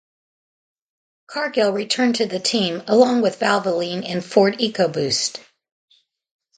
Cargill returned to the team, along with Valvoline and Ford EcoBoost.